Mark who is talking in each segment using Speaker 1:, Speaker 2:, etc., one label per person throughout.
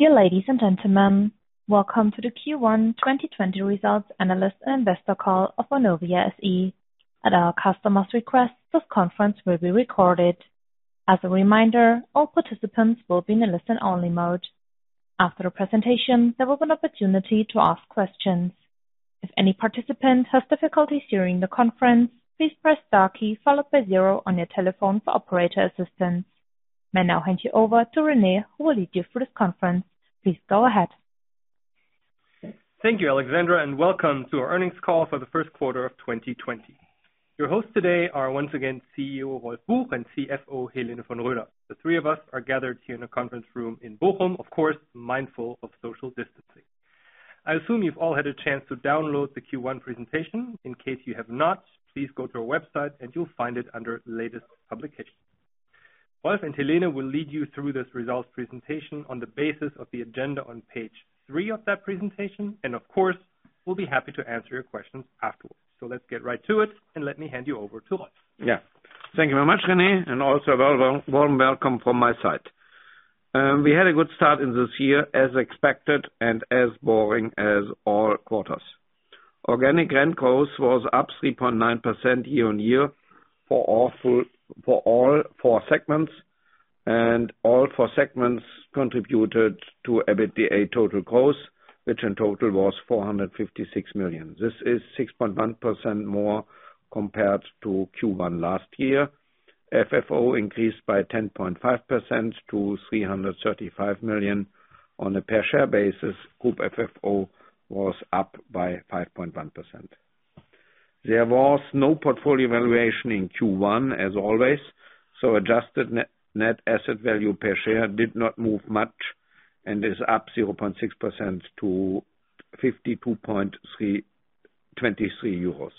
Speaker 1: Dear ladies and gentlemen, welcome to the Q1 2020 results analyst and investor call of Vonovia SE. At our customers request, this conference will be recorded. As a reminder, all participants will be in listen only mode. After the presentation, there will be an opportunity to ask questions. If any participant has difficulties during the conference, please press star key followed by zero on your telephone for operator assistance. May I now hand you over to Rene, who will lead you through this conference. Please go ahead.
Speaker 2: Thank you, Alexandra. Welcome to our earnings call for the first quarter of 2020. Your hosts today are once again CEO Rolf Buch and CFO Helene von Roeder. The three of us are gathered here in a conference room in Bochum, of course, mindful of social distancing. I assume you've all had a chance to download the Q1 presentation. In case you have not, please go to our website and you'll find it under latest publication. Rolf and Helene will lead you through this results presentation on the basis of the agenda on page three of that presentation. Of course, we'll be happy to answer your questions afterwards. Let's get right to it. Let me hand you over to Rolf.
Speaker 3: Thank you very much, Rene, and also a warm welcome from my side. We had a good start in this year as expected and as boring as all quarters. Organic rent growth was up 3.9% year-on-year for all four segments, and all four segments contributed to EBITDA total growth, which in total was 456 million. This is 6.1% more compared to Q1 last year. FFO increased by 10.5% to 335 million. On a per share basis, group FFO was up by 5.1%. There was no portfolio valuation in Q1 as always, so adjusted net asset value per share did not move much and is up 0.6% to 52.23 euros.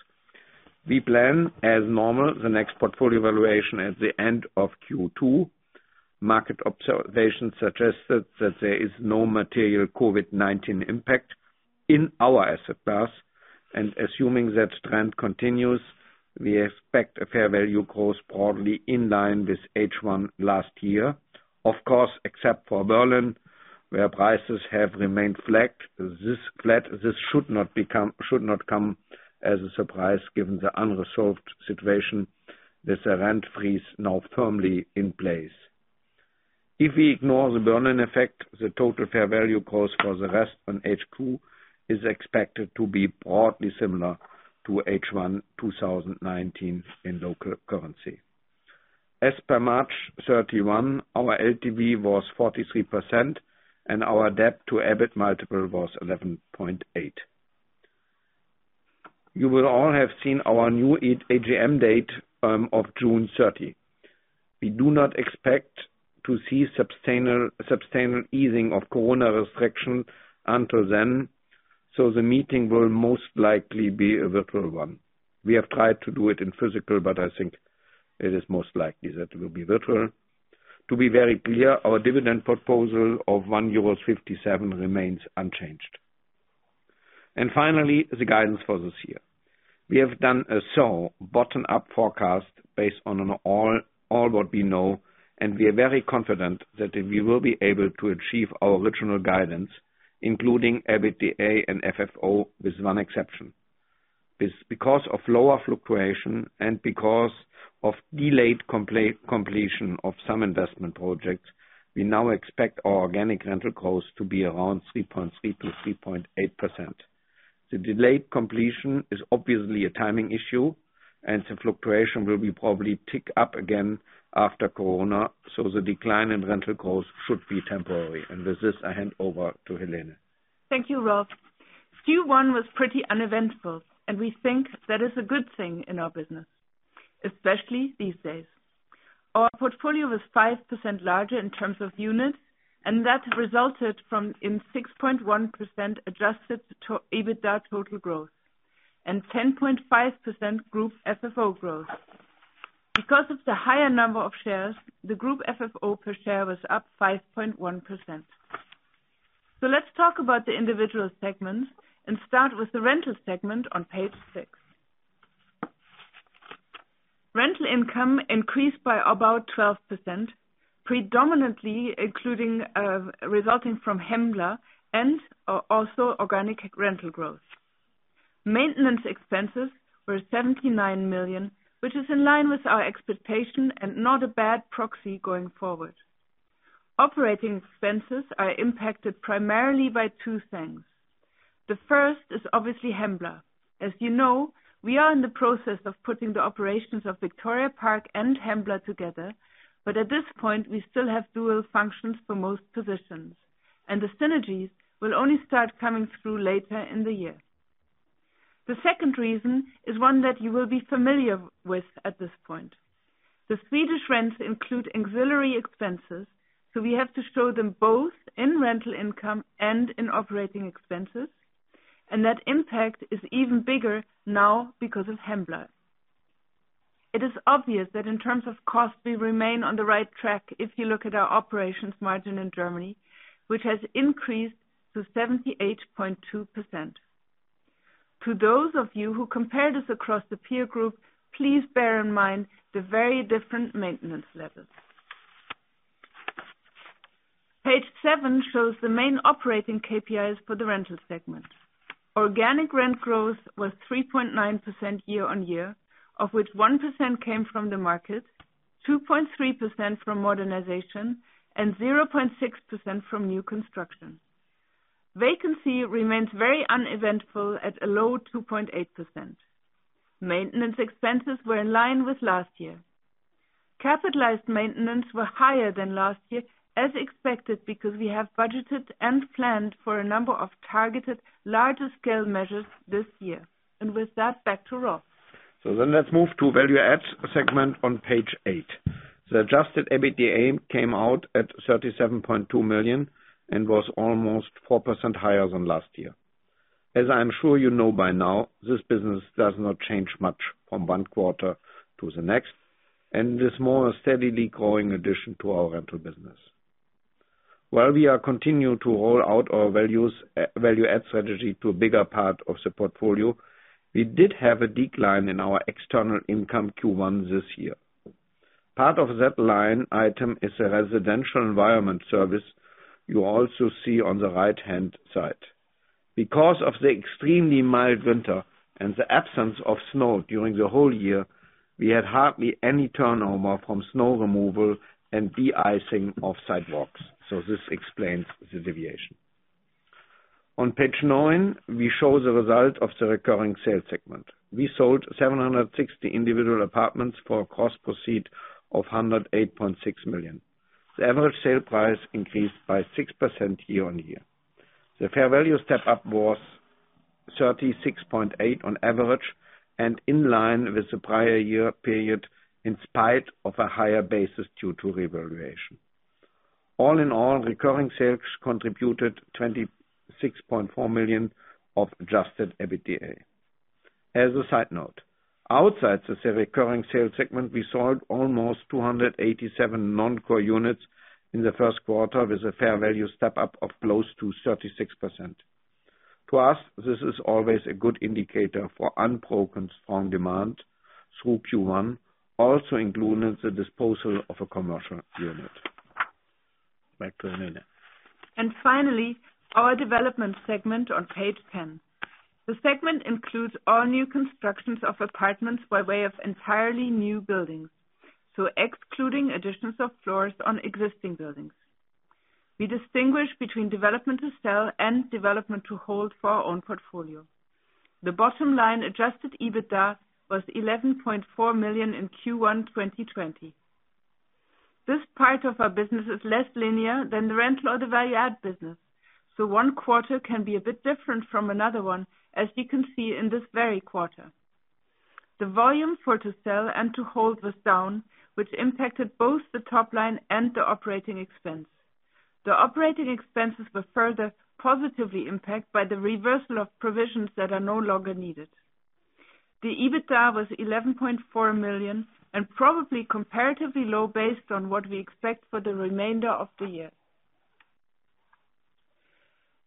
Speaker 3: We plan, as normal, the next portfolio valuation at the end of Q2. Market observations suggested that there is no material COVID-19 impact in our asset class, and assuming that trend continues, we expect a fair value growth broadly in line with H1 last year. Of course, except for Berlin, where prices have remained flat. This should not come as a surprise given the unresolved situation with the rent freeze now firmly in place. If we ignore the Berlin effect, the total fair value cost for the rest on H2 is expected to be broadly similar to H1 2019 in local currency. As per March 31, our LTV was 43% and our debt to EBITDA multiple was 11.8x. You will all have seen our new AGM date of June 30. We do not expect to see substantial easing of Corona restrictions until then, so the meeting will most likely be a virtual one. We have tried to do it in physical, but I think it is most likely that it will be virtual. To be very clear, our dividend proposal of 1.57 euros remains unchanged. Finally, the guidance for this year. We have done a sole bottom-up forecast based on all what we know, and we are very confident that we will be able to achieve our original guidance, including EBITDA and FFO, with one exception. Because of lower fluctuation and because of delayed completion of some investment projects, we now expect our organic rental growth to be around 3.3%-3.8%. The delayed completion is obviously a timing issue, and the fluctuation will be probably tick up again after Corona, so the decline in rental growth should be temporary. With this, I hand over to Helene.
Speaker 4: Thank you, Rolf. Q1 was pretty uneventful, and we think that is a good thing in our business, especially these days. Our portfolio was 5% larger in terms of units, and that resulted in 6.1% adjusted to EBITDA total growth and 10.5% group FFO growth. Because of the higher number of shares, the group FFO per share was up 5.1%. Let's talk about the individual segments and start with the rental segment on page six. Rental income increased by about 12%, predominantly resulting from Hembla and also organic rental growth. Maintenance expenses were 79 million, which is in line with our expectation and not a bad proxy going forward. Operating expenses are impacted primarily by two things. The first is obviously Hembla. As you know, we are in the process of putting the operations of Victoria Park and Hembla together. At this point, we still have dual functions for most positions. The synergies will only start coming through later in the year. The second reason is one that you will be familiar with at this point. The Swedish rents include auxiliary expenses. We have to show them both in rental income and in operating expenses. That impact is even bigger now because of Hembla. It is obvious that in terms of cost, we remain on the right track if you look at our operations margin in Germany, which has increased to 78.2%. To those of you who compared us across the peer group, please bear in mind the very different maintenance levels. Page seven shows the main operating KPIs for the rental segment. Organic rent growth was 3.9% year-over-year, of which 1% came from the market, 2.3% from modernization, and 0.6% from new construction. Vacancy remains very uneventful at a low 2.8%. Maintenance expenses were in line with last year. Capitalized maintenance were higher than last year, as expected, because we have budgeted and planned for a number of targeted larger scale measures this year. With that, back to Rolf.
Speaker 3: Let's move to value add segment on page eight. The adjusted EBITDA came out at 37.2 million and was almost 4% higher than last year. As I'm sure you know by now, this business does not change much from one quarter to the next and is more a steadily growing addition to our rental business. While we are continuing to roll out our value add strategy to a bigger part of the portfolio, we did have a decline in our external income Q1 this year. Part of that line item is a residential environment service you also see on the right-hand side. Because of the extremely mild winter and the absence of snow during the whole year, we had hardly any turnover from snow removal and de-icing of sidewalks. This explains the deviation. On page nine, we show the result of the recurring sales segment. We sold 760 individual apartments for proceeds of 108.6 million. The average sale price increased by 6% year-over-year. The fair value step up was 36.8% on average and in line with the prior year period in spite of a higher basis due to revaluation. All in all, recurring sales contributed 26.4 million of adjusted EBITDA. As a side note, outside the recurring sales segment, we sold almost 287 non-core units in the first quarter with a fair value step up of close to 36%. To us, this is always a good indicator for unbroken strong demand through Q1, also including the disposal of a commercial unit. Back to Helene.
Speaker 4: Finally, our development segment on page 10. The segment includes all new constructions of apartments by way of entirely new buildings. Excluding additions of floors on existing buildings. We distinguish between development to sell and development to hold for our own portfolio. The bottom line adjusted EBITDA was 11.4 million in Q1 2020. This part of our business is less linear than the rental or the value add business, one quarter can be a bit different from another one, as you can see in this very quarter. The volume for to sell and to hold was down, which impacted both the top line and the operating expense. The operating expenses were further positively impact by the reversal of provisions that are no longer needed. The EBITDA was 11.4 million, probably comparatively low based on what we expect for the remainder of the year.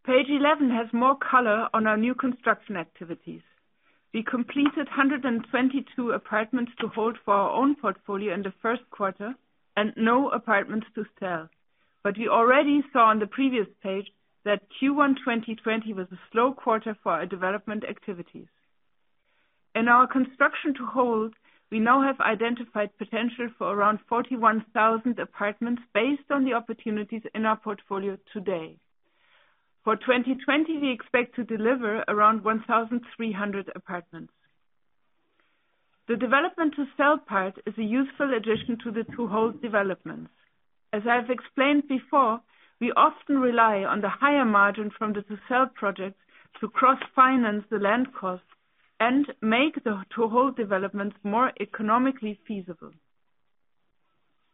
Speaker 4: Page 11 has more color on our new construction activities. We completed 122 apartments to hold for our own portfolio in the first quarter and no apartments to sell. We already saw on the previous page that Q1 2020 was a slow quarter for our development activities. In our construction to hold, we now have identified potential for around 41,000 apartments based on the opportunities in our portfolio today. For 2020, we expect to deliver around 1,300 apartments. The development to sell part is a useful addition to the to hold developments. As I've explained before, we often rely on the higher margin from the to sell projects to cross finance the land costs and make the to hold developments more economically feasible.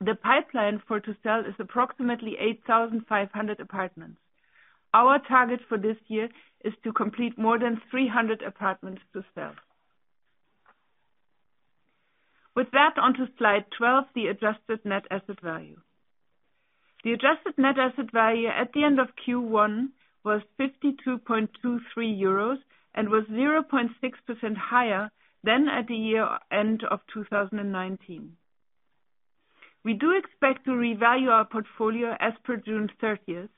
Speaker 4: The pipeline for to sell is approximately 8,500 apartments. Our target for this year is to complete more than 300 apartments to sell. With that, onto slide 12, the adjusted net asset value. The adjusted net asset value at the end of Q1 was 52.23 euros and was 0.6% higher than at the year end of 2019. We do expect to revalue our portfolio as per June 30th.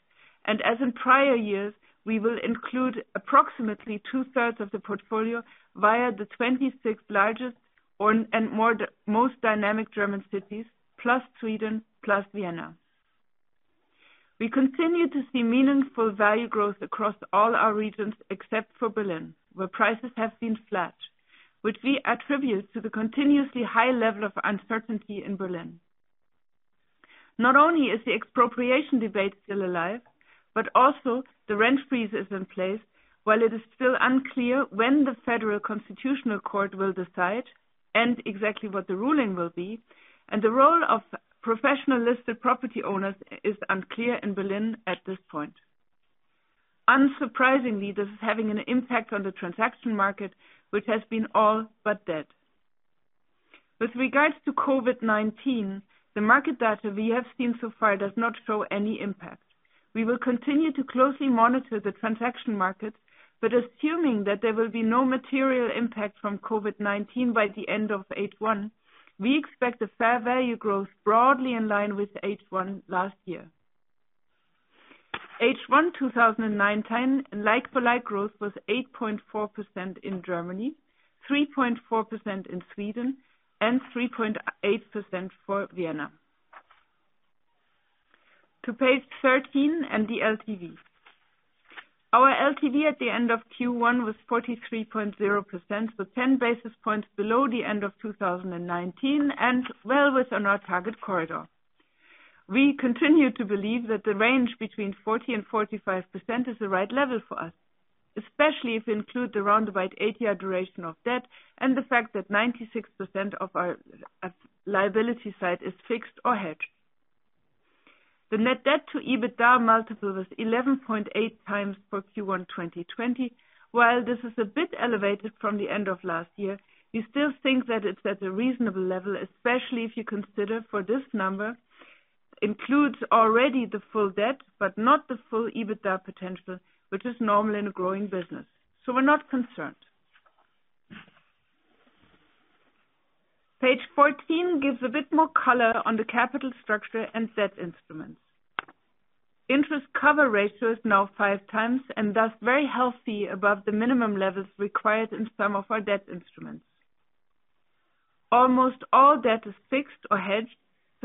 Speaker 4: As in prior years, we will include approximately 2/3 of the portfolio via the 26 largest and most dynamic German cities, plus Sweden, plus Vienna. We continue to see meaningful value growth across all our regions except for Berlin, where prices have been flat, which we attribute to the continuously high level of uncertainty in Berlin. Not only is the expropriation debate still alive, but also the rent freeze is in place while it is still unclear when the Federal Constitutional Court will decide and exactly what the ruling will be, and the role of professional listed property owners is unclear in Berlin at this point. Unsurprisingly, this is having an impact on the transaction market, which has been all but dead. With regards to COVID-19, the market data we have seen so far does not show any impact. We will continue to closely monitor the transaction market, but assuming that there will be no material impact from COVID-19 by the end of H1, we expect a fair value growth broadly in line with H1 last year. H1 2019 like-for-like growth was 8.4% in Germany, 3.4% in Sweden, and 3.8% for Vienna. To Page 13 and the LTV. Our LTV at the end of Q1 was 43.0%, 10 basis points below the end of 2019, and well within our target corridor. We continue to believe that the range between 40% and 45% is the right level for us, especially if you include the roundabout eight-year duration of debt and the fact that 96% of our liability side is fixed or hedged. The net debt to EBITDA multiple was 11.8x for Q1 2020. While this is a bit elevated from the end of last year, we still think that it's at a reasonable level, especially if you consider for this number includes already the full debt, but not the full EBITDA potential, which is normal in a growing business. We're not concerned. Page 14 gives a bit more color on the capital structure and debt instruments. Interest coverage ratio is now 5x and thus very healthy above the minimum levels required in some of our debt instruments.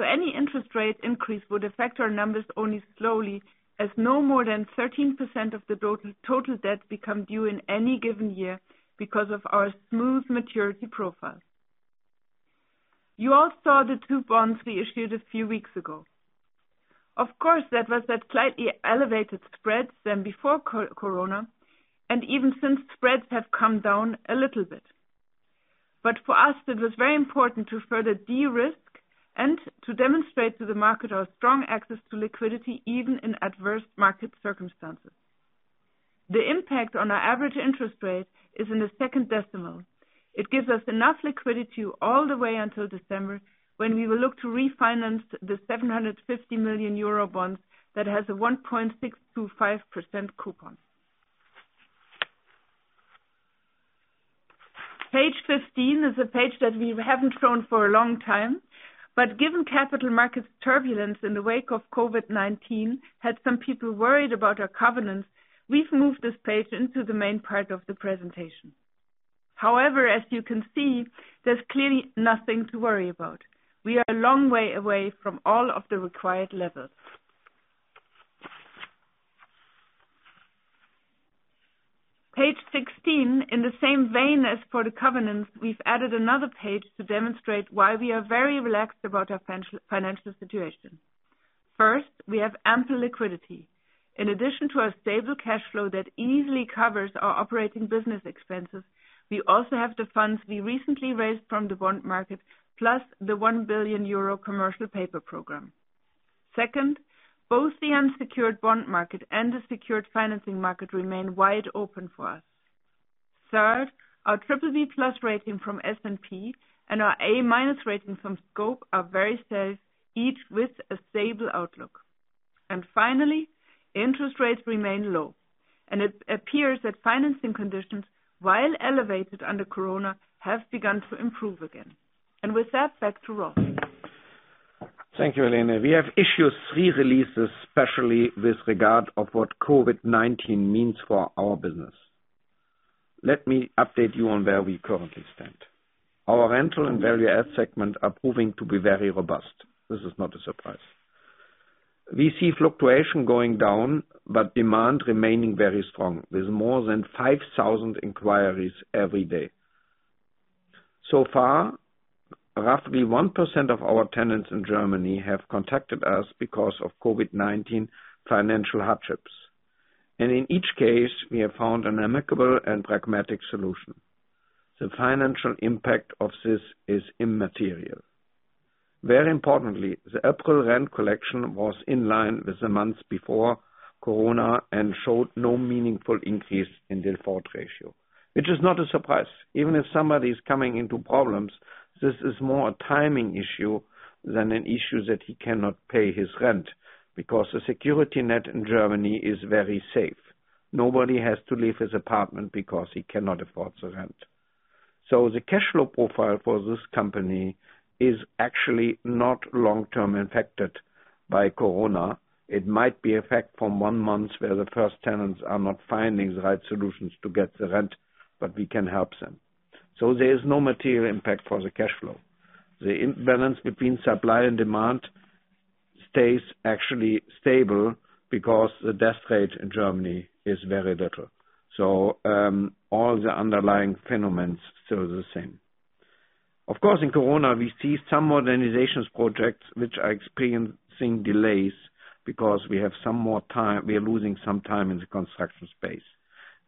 Speaker 4: Any interest rate increase would affect our numbers only slowly as no more than 13% of the total debt become due in any given year because of our smooth maturity profile. You all saw the two bonds we issued a few weeks ago. That was at slightly elevated spreads than before COVID, even since spreads have come down a little bit. For us, it was very important to further de-risk and to demonstrate to the market our strong access to liquidity even in adverse market circumstances. The impact on our average interest rate is in the second decimal. It gives us enough liquidity all the way until December, when we will look to refinance the 750 million euro bond that has a 1.625% coupon. Page 15 is a page that we haven't shown for a long time, but given capital market turbulence in the wake of COVID-19 had some people worried about our covenants, we've moved this page into the main part of the presentation. As you can see, there's clearly nothing to worry about. We are a long way away from all of the required levels. Page 16, in the same vein as for the covenants, we've added another page to demonstrate why we are very relaxed about our financial situation. First, we have ample liquidity. In addition to our stable cash flow that easily covers our operating business expenses, we also have the funds we recently raised from the bond market, plus the 1 billion euro commercial paper program. Both the unsecured bond market and the secured financing market remain wide open for us. Our BBB+ rating from S&P and our A- rating from Scope are very safe, each with a stable outlook. Finally, interest rates remain low, and it appears that financing conditions, while elevated under COVID, have begun to improve again. With that, back to Rolf.
Speaker 3: Thank you, Helene. We have issued three releases, especially with regard of what COVID-19 means for our business. Let me update you on where we currently stand. Our rental and value add segment are proving to be very robust. This is not a surprise. We see fluctuation going down, but demand remaining very strong with more than 5,000 inquiries every day. Roughly 1% of our tenants in Germany have contacted us because of COVID-19 financial hardships, and in each case, we have found an amicable and pragmatic solution. The financial impact of this is immaterial. Very importantly, the April rent collection was in line with the months before COVID and showed no meaningful increase in default ratio, which is not a surprise. Even if somebody is coming into problems, this is more a timing issue than an issue that he cannot pay his rent because the security net in Germany is very safe. Nobody has to leave his apartment because he cannot afford the rent. The cash flow profile for this company is actually not long-term affected by COVID. It might be affected from one month where the first tenants are not finding the right solutions to get the rent, but we can help them. There is no material impact for the cash flow. The imbalance between supply and demand stays actually stable because the death rate in Germany is very little. All the underlying fundamentals stay the same. Of course, in COVID, we see some modernizations projects which are experiencing delays because we are losing some time in the construction space.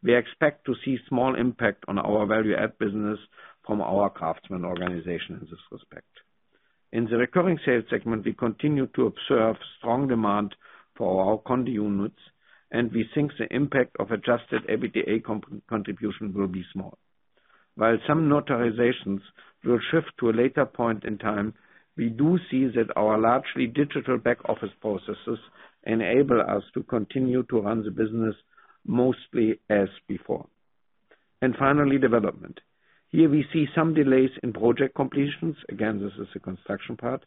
Speaker 3: We expect to see small impact on our value-add business from our craftsman organization in this respect. In the recurring sales segment, we continue to observe strong demand for our condo units, and we think the impact of adjusted EBITDA contribution will be small. While some notarizations will shift to a later point in time, we do see that our largely digital back-office processes enable us to continue to run the business mostly as before. Finally, development. Here we see some delays in project completions. Again, this is the construction part.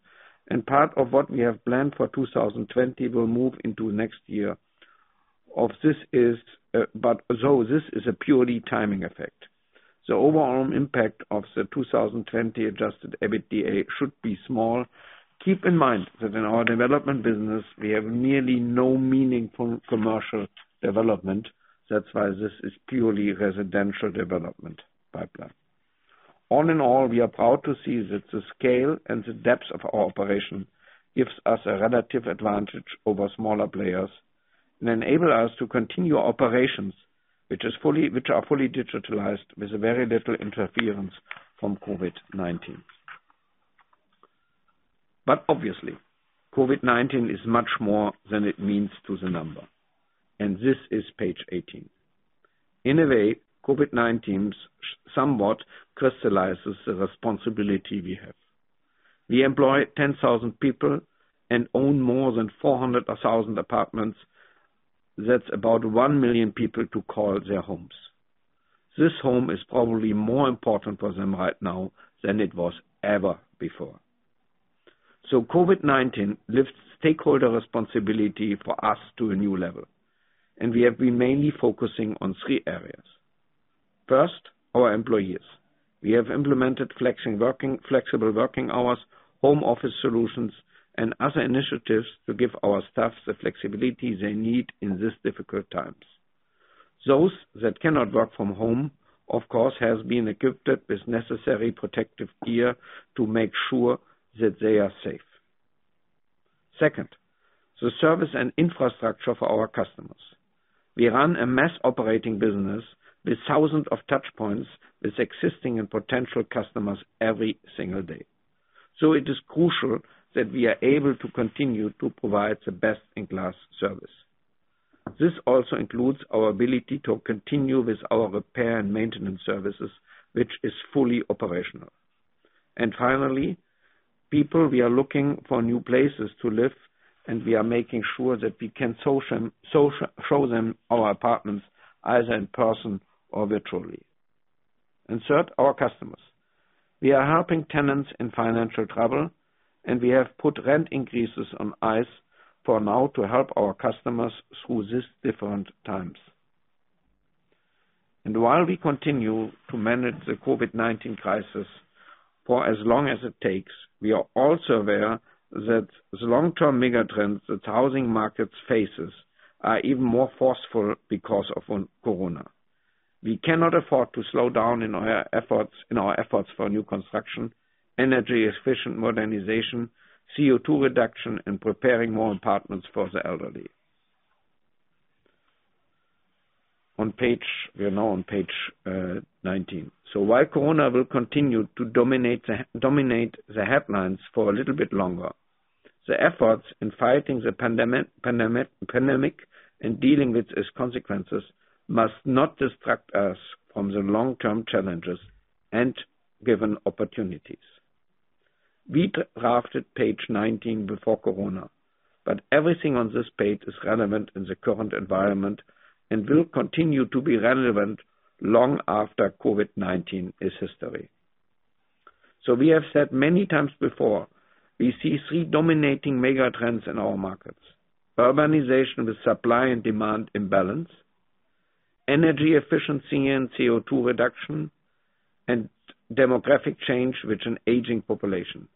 Speaker 3: Part of what we have planned for 2020 will move into next year. This is a purely timing effect. The overall impact of the 2020 adjusted EBITDA should be small. Keep in mind that in our development business, we have nearly no meaningful commercial development. That's why this is purely residential development pipeline. All in all, we are proud to see that the scale and the depth of our operation gives us a relative advantage over smaller players and enable us to continue operations, which are fully digitalized with very little interference from COVID-19. Obviously, COVID-19 is much more than it means to the number. This is page 18. In a way, COVID-19 somewhat crystallizes the responsibility we have. We employ 10,000 people and own more than 400,000 apartments. That's about 1 million people to call their homes. This home is probably more important for them right now than it was ever before. COVID-19 lifts stakeholder responsibility for us to a new level, and we have been mainly focusing on three areas. First, our employees. We have implemented flexible working hours, home office solutions, and other initiatives to give our staff the flexibility they need in this difficult times. Those that cannot work from home, of course, have been equipped with necessary protective gear to make sure that they are safe. Second, the service and infrastructure for our customers. We run a mass operating business with thousands of touch points with existing and potential customers every single day. It is crucial that we are able to continue to provide the best-in-class service. This also includes our ability to continue with our repair and maintenance services, which is fully operational. Finally, people, we are looking for new places to live, and we are making sure that we can show them our apartments either in person or virtually. Third, our customers. We are helping tenants in financial trouble, and we have put rent increases on ice for now to help our customers through these different times. While we continue to manage the COVID-19 crisis for as long as it takes, we are also aware that the long-term mega trends that housing markets faces are even more forceful because of Corona. We cannot afford to slow down in our efforts for new construction, energy efficient modernization, CO₂ reduction, and preparing more apartments for the elderly. We are now on page 19. While Corona will continue to dominate the headlines for a little bit longer, the efforts in fighting the pandemic and dealing with its consequences must not distract us from the long-term challenges and given opportunities. We drafted page 19 before Corona, but everything on this page is relevant in the current environment and will continue to be relevant long after COVID-19 is history. We have said many times before, we see three dominating mega trends in our markets: Urbanization with supply and demand imbalance, energy efficiency and CO₂ reduction, and demographic change with an aging population.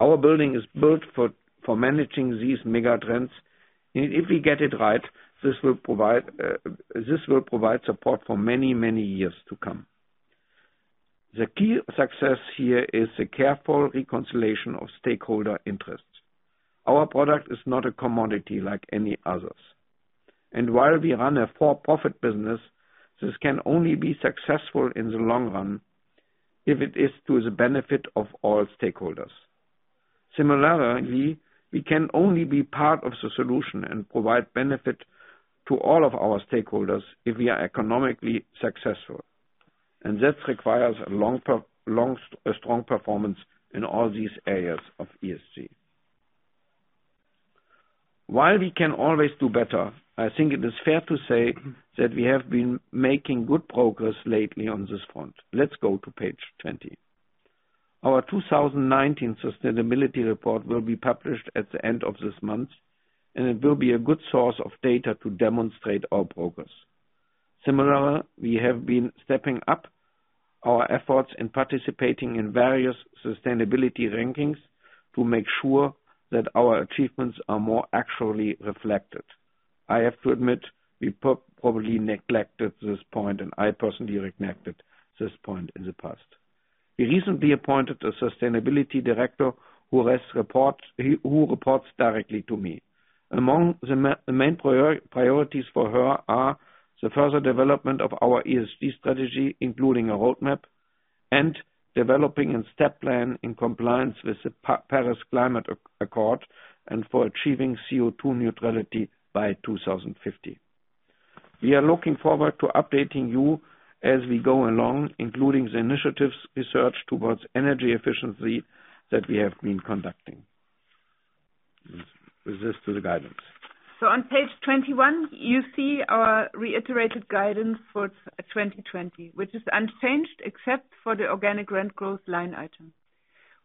Speaker 3: Our building is built for managing these mega trends. If we get it right, this will provide support for many, many years to come. The key success here is the careful reconciliation of stakeholder interests. Our product is not a commodity like any others. While we run a for-profit business, this can only be successful in the long run if it is to the benefit of all stakeholders. Similarly, we can only be part of the solution and provide benefit to all of our stakeholders if we are economically successful. That requires a strong performance in all these areas of ESG. While we can always do better, I think it is fair to say that we have been making good progress lately on this front. Let's go to page 20. Our 2019 sustainability report will be published at the end of this month, and it will be a good source of data to demonstrate our progress. Similarly, we have been stepping up our efforts in participating in various sustainability rankings to make sure that our achievements are more accurately reflected. I have to admit, we probably neglected this point, and I personally neglected this point in the past. We recently appointed a sustainability director who reports directly to me. Among the main priorities for her are the further development of our ESG strategy, including a roadmap, and developing a step plan in compliance with the Paris Climate Accord and for achieving CO₂ neutrality by 2050. We are looking forward to updating you as we go along, including the initiatives research towards energy efficiency that we have been conducting. With this to the guidance.
Speaker 4: On page 21, you see our reiterated guidance for 2020, which is unchanged except for the organic rent growth line item.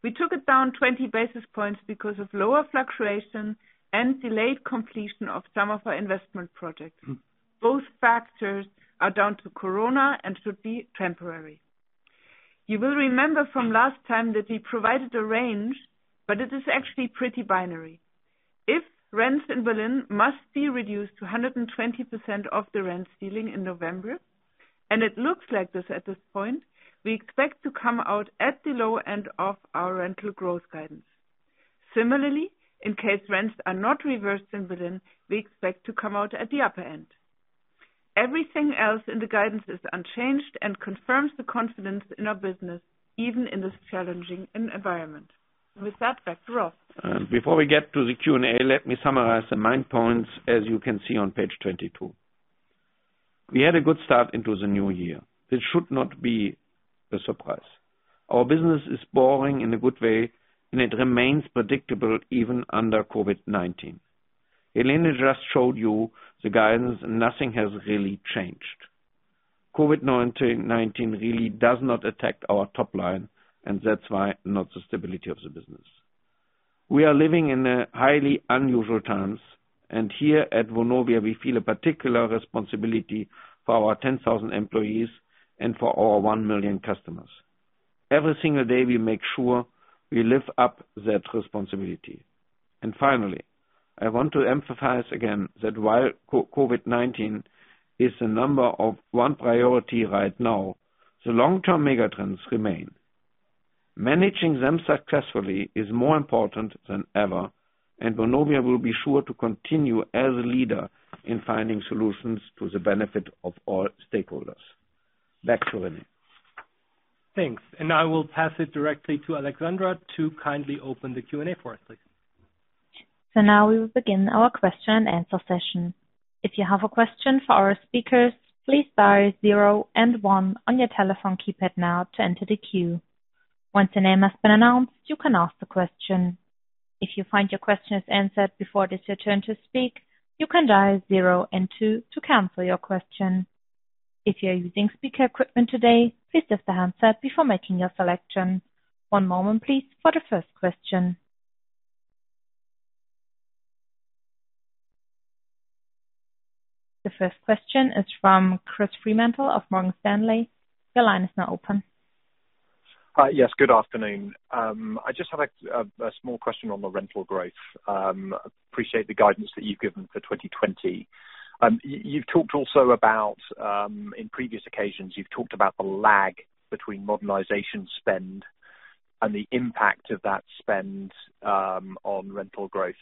Speaker 4: We took it down 20 basis points because of lower fluctuation and delayed completion of some of our investment projects. Both factors are down to Corona and should be temporary. You will remember from last time that we provided a range, but it is actually pretty binary. If rents in Berlin must be reduced to 120% of the rent ceiling in November, and it looks like this at this point, we expect to come out at the low end of our rental growth guidance. Similarly, in case rents are not reversed in Berlin, we expect to come out at the upper end. Everything else in the guidance is unchanged and confirms the confidence in our business, even in this challenging environment. With that, back to Rolf.
Speaker 3: Before we get to the Q&A, let me summarize the main points as you can see on page 22. We had a good start into the new year. This should not be a surprise. Our business is boring in a good way, and it remains predictable even under COVID-19. Helene just showed you the guidance. Nothing has really changed. COVID-19 really does not attack our top line. That's why not the stability of the business. We are living in a highly unusual times. Here at Vonovia, we feel a particular responsibility for our 10,000 employees and for our 1 million customers. Every single day we make sure we live up to that responsibility. Finally, I want to emphasize again that while COVID-19 is the number one priority right now, the long-term megatrends remain. Managing them successfully is more important than ever. Vonovia will be sure to continue as a leader in finding solutions to the benefit of all stakeholders. Back to Rene.
Speaker 2: Thanks. Now I will pass it directly to Alexandra to kindly open the Q&A for us, please.
Speaker 1: Now we will begin our question and answer session. If you have a question for our speakers, please dial zero and one on your telephone keypad now to enter the queue. Once your name has been announced, you can ask the question. If you find your question is answered before it is your turn to speak, you can dial zero and two to cancel your question. If you're using speaker equipment today, please test the handset before making your selection. One moment please for the first question. The first question is from Chris Fremantle of Morgan Stanley. Your line is now open.
Speaker 5: Yes, good afternoon. I just had a small question on the rental growth. Appreciate the guidance that you've given for 2020. In previous occasions, you've talked about the lag between modernization spend and the impact of that spend on rental growth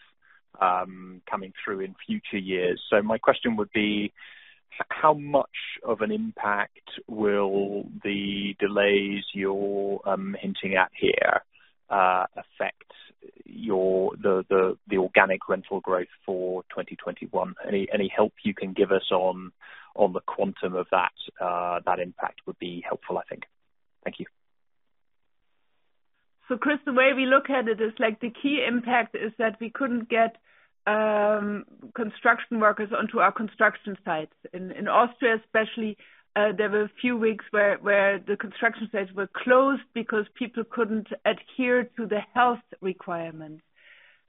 Speaker 5: coming through in future years. My question would be, how much of an impact will the delays you're hinting at here affect the organic rental growth for 2021? Any help you can give us on the quantum of that impact would be helpful, I think. Thank you.
Speaker 4: Chris, the way we look at it is like the key impact is that we couldn't get construction workers onto our construction sites. In Austria especially, there were a few weeks where the construction sites were closed because people couldn't adhere to the health requirements.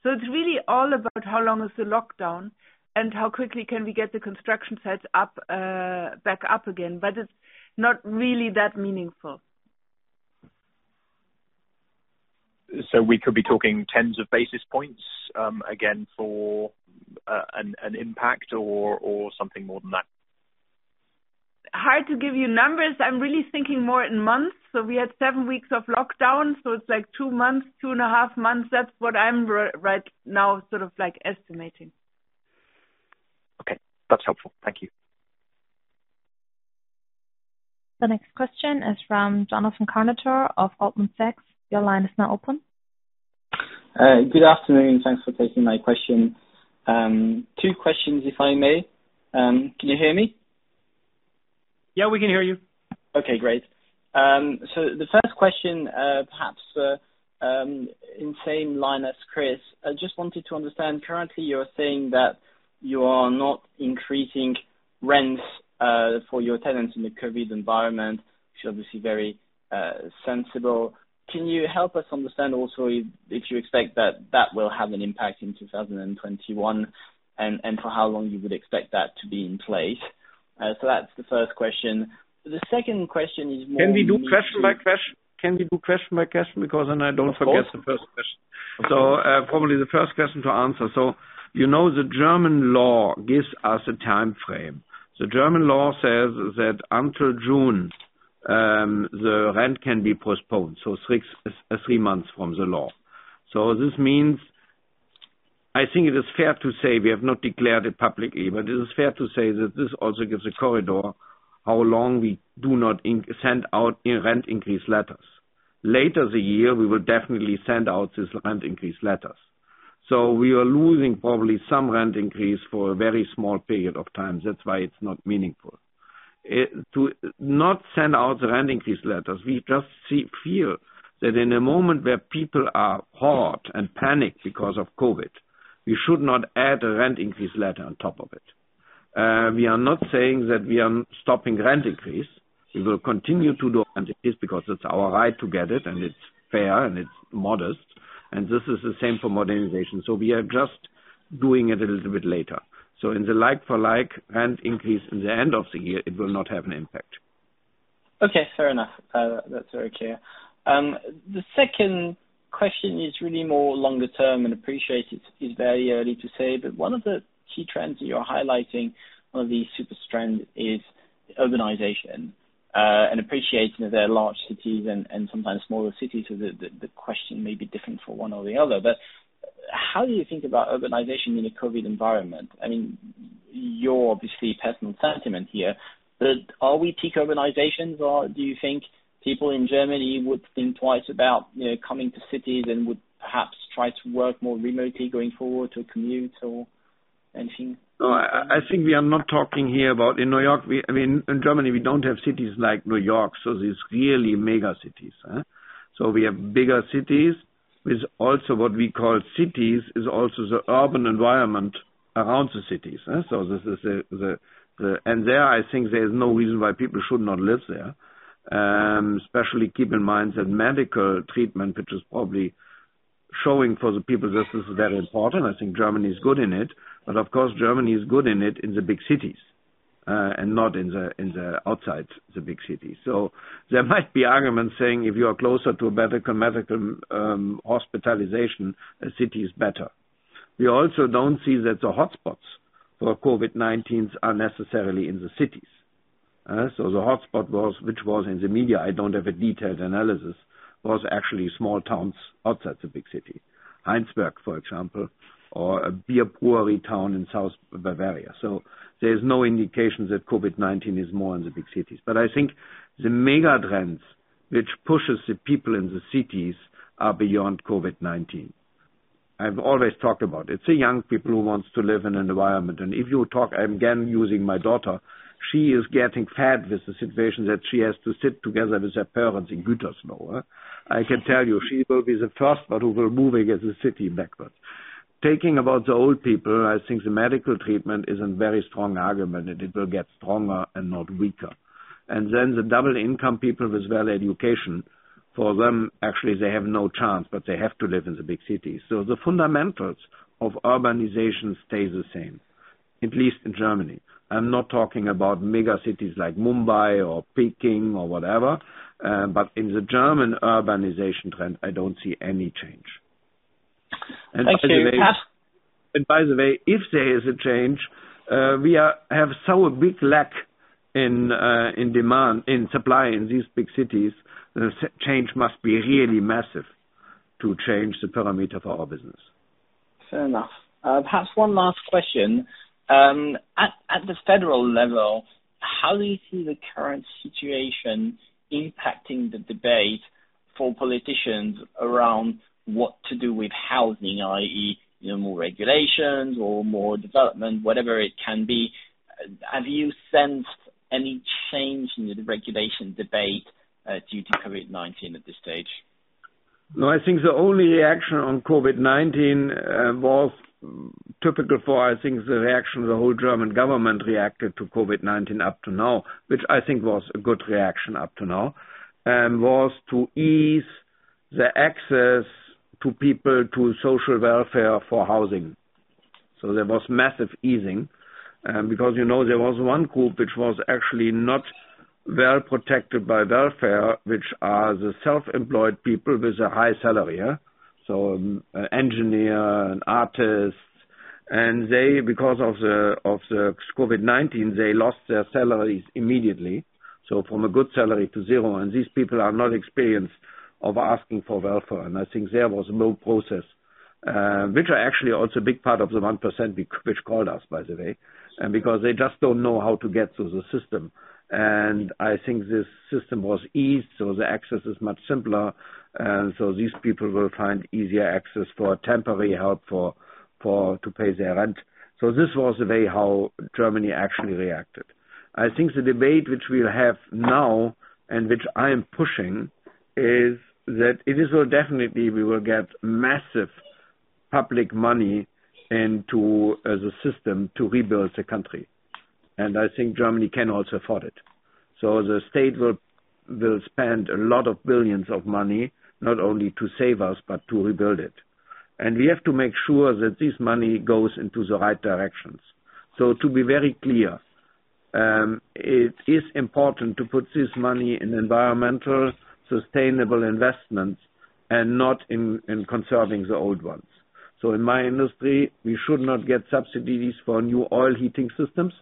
Speaker 4: It's really all about how long is the lockdown and how quickly can we get the construction sites back up again. It's not really that meaningful.
Speaker 5: We could be talking tens of basis points, again, for an impact or something more than that?
Speaker 4: Hard to give you numbers. I'm really thinking more in months. We had seven weeks of lockdown, it's like two months, two and a half months. That's what I'm right now sort of like estimating.
Speaker 5: Okay. That's helpful. Thank you.
Speaker 1: The next question is from Jonathan Kownator of Goldman Sachs Group, Inc. Your line is now open.
Speaker 6: Good afternoon. Thanks for taking my question. Two questions, if I may. Can you hear me?
Speaker 2: Yeah, we can hear you.
Speaker 6: Okay, great. The first question, perhaps in same line as Chris. I just wanted to understand currently you're saying that you are not increasing rents for your tenants in the COVID environment, which is obviously very sensible. Can you help us understand also if you expect that that will have an impact in 2021 and for how long you would expect that to be in place? That's the first question. The second question is.
Speaker 3: Can we do question by question? Can we do question by question because then I don't forget the first question. Probably the first question to answer. You know the German law gives us a time frame. The German law says that until June, the rent can be postponed, so three months from the law. This means, I think it is fair to say we have not declared it publicly, but it is fair to say that this also gives a corridor how long we do not send out rent increase letters. Later the year, we will definitely send out these rent increase letters. We are losing probably some rent increase for a very small period of time. That's why it's not meaningful. To not send out the rent increase letters, we just feel that in a moment where people are hurt and panicked because of COVID, we should not add a rent increase letter on top of it. We are not saying that we are stopping rent increase. We will continue to do rent increase because it's our right to get it and it's fair and it's modest. This is the same for modernization. We are just doing it a little bit later. In the like-for-like rent increase in the end of the year, it will not have an impact.
Speaker 6: Okay. Fair enough. That's very clear. The second question is really more longer term. Appreciate it's very early to say, but one of the key trends that you're highlighting, one of the super strength is urbanization. Appreciating that there are large cities and sometimes smaller cities, the question may be different for one or the other. How do you think about urbanization in a COVID environment? I mean, your obviously personal sentiment here, are we peak urbanization, do you think people in Germany would think twice about coming to cities and would perhaps try to work more remotely going forward to commute or anything?
Speaker 3: I think we are not talking here about in New York. In Germany, we don't have cities like New York, these really mega cities. We have bigger cities with also what we call cities is also the urban environment around the cities. There, I think there's no reason why people should not live there. Especially keep in mind that medical treatment, which is probably showing for the people this is very important. I think Germany is good in it. Of course, Germany is good in it in the big cities, and not outside the big cities. There might be arguments saying if you are closer to a better medical hospitalization, a city is better. We also don't see that the hotspots for COVID-19 are necessarily in the cities. The hotspot, which was in the media, I don't have a detailed analysis, was actually small towns outside the big city. Heinsberg, for example, or a brewery town in South Bavaria. There is no indication that COVID-19 is more in the big cities. I think the mega trends which pushes the people in the cities are beyond COVID-19. I've always talked about it. It's the young people who wants to live in an environment. If you talk, I'm again using my daughter, she is getting fed with the situation that she has to sit together with her parents in Gütersloh. I can tell you, she will be the first one who will moving as a city backwards. Talking about the old people, I think the medical treatment is a very strong argument, and it will get stronger and not weaker. The double income people with high education, for them, actually, they have no chance, but they have to live in the big city. The fundamentals of urbanization stay the same, at least in Germany. I'm not talking about mega cities like Mumbai or Peking or whatever, but in the German urbanization trend, I don't see any change.
Speaker 6: Thank you.
Speaker 3: By the way, if there is a change, we have so a big lack in supply in these big cities, the change must be really massive to change the parameter for our business.
Speaker 6: Fair enough. Perhaps one last question. At the federal level, how do you see the current situation impacting the debate for politicians around what to do with housing, i.e., more regulations or more development, whatever it can be. Have you sensed any change in the regulation debate due to COVID-19 at this stage?
Speaker 3: No, I think the only reaction on COVID-19 was typical for, I think, the reaction of the whole German government reacted to COVID-19 up to now, which I think was a good reaction up to now. Was to ease the access to people to social welfare for housing. There was massive easing, because there was one group which was actually not well protected by welfare, which are the self-employed people with a high salary, engineer and artist. They, because of the COVID-19, they lost their salaries immediately. From a good salary to zero, these people are not experienced of asking for welfare. I think there was no process, which are actually also a big part of the 1% which called us, by the way, because they just don't know how to get to the system. I think this system was eased, so the access is much simpler. These people will find easier access for temporary help to pay their rent. This was the way how Germany actually reacted. I think the debate which we have now and which I am pushing is that it is definitely we will get massive public money as a system to rebuild the country. I think Germany can also afford it. The state will spend a lot of billions of money, not only to save us, but to rebuild it. We have to make sure that this money goes into the right directions. To be very clear, it is important to put this money in environmental sustainable investments and not in conserving the old ones. In my industry, we should not get subsidies for new oil heating systems.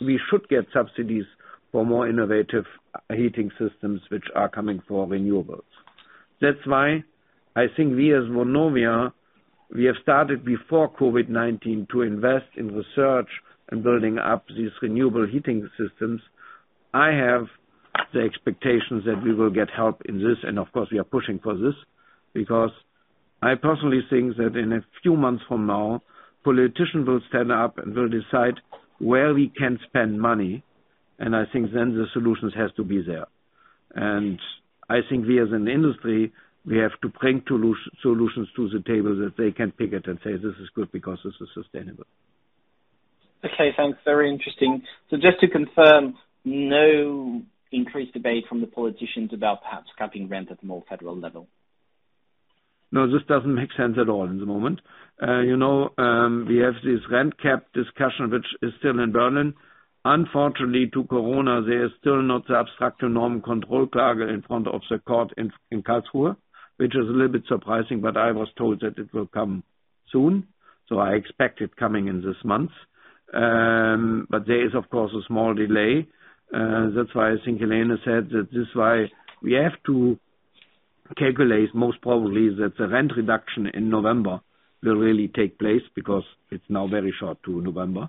Speaker 3: We should get subsidies for more innovative heating systems, which are coming for renewables. That's why I think we as Vonovia, we have started before COVID-19 to invest in research and building up these renewable heating systems. I have the expectations that we will get help in this. Of course, we are pushing for this because I personally think that in a few months from now, politicians will stand up and will decide where we can spend money. I think then the solutions has to be there. I think we as an industry, we have to bring solutions to the table that they can pick it and say, "This is good because this is sustainable.
Speaker 6: Okay, thanks. Very interesting. Just to confirm, no increased debate from the politicians about perhaps capping rent at the more federal level?
Speaker 3: This doesn't make sense at all in the moment. We have this rent cap discussion, which is still in Berlin. Unfortunately, to Corona, there is still not obstructing non-control target in front of the court in Karlsruhe, which is a little bit surprising, but I was told that it will come soon. I expect it coming in this month. There is, of course, a small delay. That's why I think Helene said that this is why we have to calculate most probably that the rent reduction in November will really take place because it's now very short to November.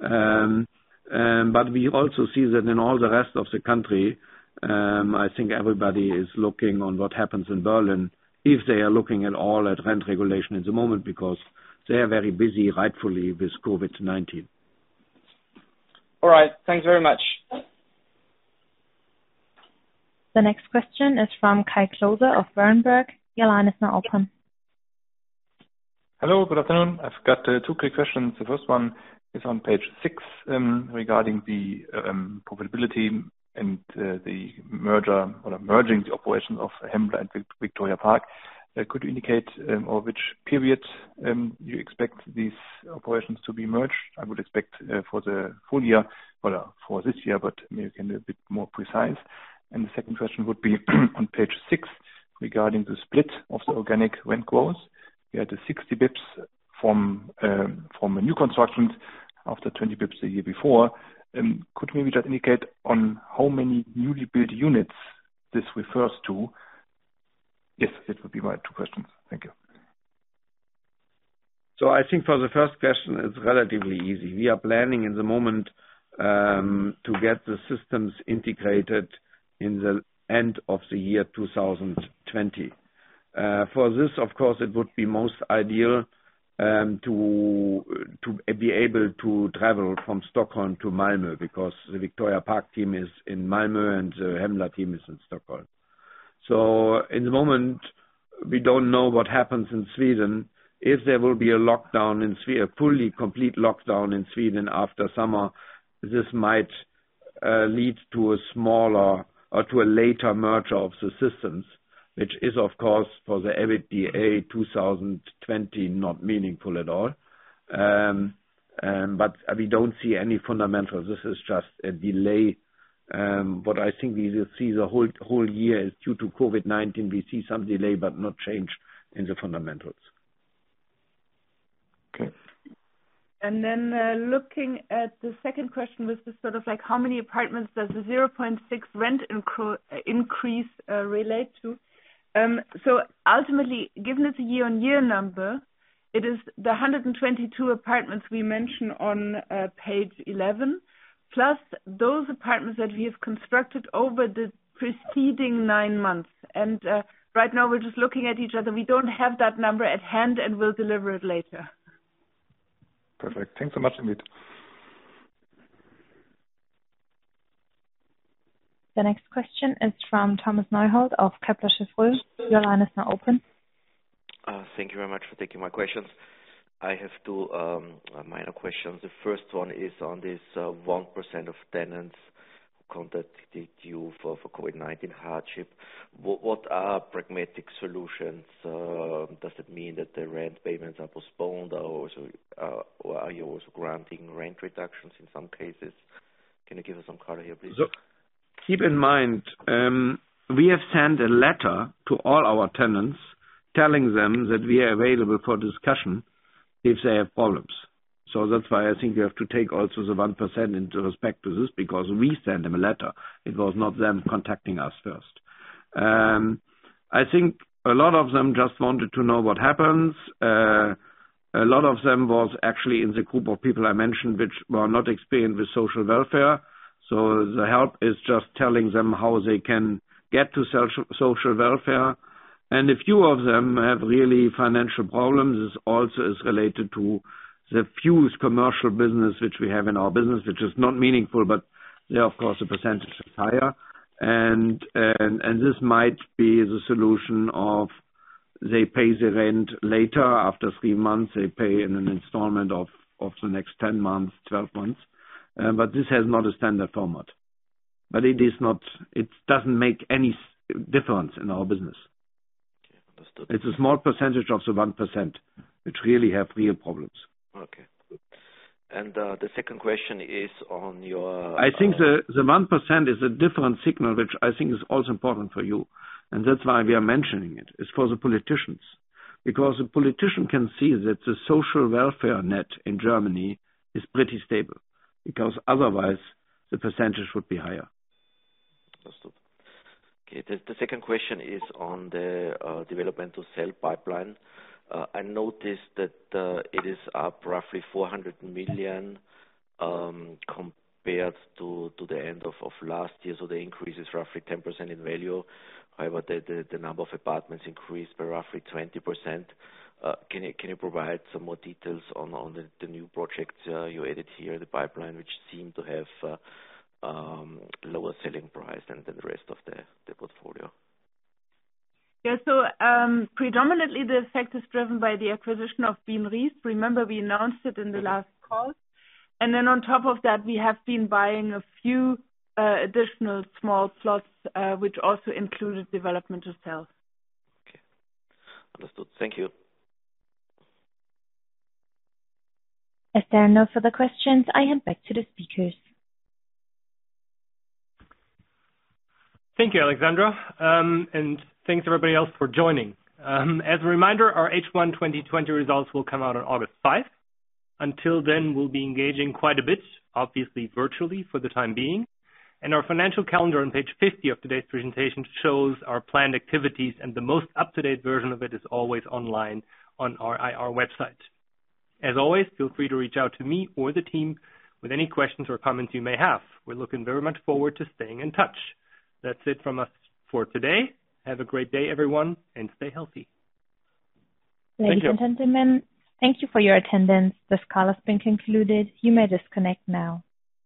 Speaker 3: We also see that in all the rest of the country, I think everybody is looking on what happens in Berlin, if they are looking at all at rent regulation at the moment, because they are very busy, rightfully, with COVID-19.
Speaker 6: All right. Thanks very much.
Speaker 1: The next question is from Kai Klose of Berenberg. Your line is now open.
Speaker 7: Hello, good afternoon. I've got two quick questions. The first one is on page six, regarding the profitability and the merger or merging the operations of Hembla and Victoria Park. Could you indicate over which period, you expect these operations to be merged? I would expect for the full year or for this year. Maybe you can be a bit more precise. The second question would be on page six regarding the split of the organic rent growth. You had the 60 basis points from the new constructions after 20 basis points the year before. Could maybe just indicate on how many newly built units this refers to? Yes. It would be my two questions. Thank you.
Speaker 3: I think for the first question, it's relatively easy. We are planning in the moment, to get the systems integrated in the end of the year 2020. For this, of course, it would be most ideal to be able to travel from Stockholm to Malmö because the Victoria Park team is in Malmö and the Hembla team is in Stockholm. In the moment, we don't know what happens in Sweden. If there will be a lockdown in Sweden, a fully complete lockdown in Sweden after summer, this might lead to a smaller or to a later merger of the systems, which is, of course, for the EBITDA 2020, not meaningful at all. We don't see any fundamentals. This is just a delay. I think we will see the whole year is due to COVID-19. We see some delay, but no change in the fundamentals.
Speaker 7: Okay.
Speaker 4: Looking at the second question, was this sort of like how many apartments does the 0.6% rent increase relate to? Ultimately, given it's a year-over-year number, it is the 122 apartments we mention on page 11, plus those apartments that we have constructed over the preceding nine months. Right now we're just looking at each other. We don't have that number at hand, and we'll deliver it later.
Speaker 7: Perfect. Thanks so much.
Speaker 1: The next question is from Thomas Neuhold of Kepler Cheuvreux. Your line is now open.
Speaker 8: Thank you very much for taking my questions. I have two minor questions. The first one is on this 1% of tenants who contacted you for COVID-19 hardship. What are pragmatic solutions? Does it mean that the rent payments are postponed or are you also granting rent reductions in some cases? Can you give us some color here, please?
Speaker 3: Look, keep in mind, we have sent a letter to all our tenants telling them that we are available for discussion if they have problems. That's why I think we have to take also the 1% into respect to this, because we send them a letter. It was not them contacting us first. I think a lot of them just wanted to know what happens. A lot of them was actually in the group of people I mentioned, which were not experienced with social welfare. The help is just telling them how they can get to social welfare. A few of them have really financial problems. This also is related to the few commercial business which we have in our business, which is not meaningful, but there, of course, the percentage is higher. This might be the solution of they pay the rent later, after three months, they pay in an installment of the next 10 months, 12 months. This has not a standard format. It doesn't make any difference in our business.
Speaker 8: Okay. Understood.
Speaker 3: It's a small percentage of the 1%, which really have real problems.
Speaker 8: Okay. The second question is on your.
Speaker 3: I think the 1% is a different signal, which I think is also important for you, and that's why we are mentioning it, is for the politicians. A politician can see that the social welfare net in Germany is pretty stable, because otherwise the percentage would be higher.
Speaker 8: Understood. The second question is on the development to sell pipeline. I noticed that it is up roughly 400 million compared to the end of last year, so the increase is roughly 10% in value. However, the number of apartments increased by roughly 20%. Can you provide some more details on the new projects you added here, the pipeline, which seem to have a lower selling price than the rest of the portfolio?
Speaker 4: Yeah. Predominantly the effect is driven by the acquisition of Bien-Ries. Remember, we announced it in the last call. And then on top of that, we have been buying a few additional small slots, which also included developmental of sales.
Speaker 8: Understood. Thank You.
Speaker 1: If there are no further questions, I hand back to the speakers.
Speaker 2: Thank you, Alexandra. Thanks everybody else for joining. As a reminder, our H1 2020 results will come out on August 5. Until then, we'll be engaging quite a bit, obviously virtually for the time being, and our financial calendar on page 50 of today's presentation shows our planned activities, and the most up-to-date version of it is always online on our IR website. As always, feel free to reach out to me or the team with any questions or comments you may have. We're looking very much forward to staying in touch. That's it from us for today. Have a great day everyone, and stay healthy. Thank you.
Speaker 1: Ladies and gentlemen, thank you for your attendance. This call has been concluded. You may disconnect now.